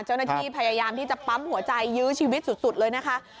เจ้าหน้าที่พยายามที่จะปั๊มหัวใจยื้อชีวิตสุดเลยนะคะ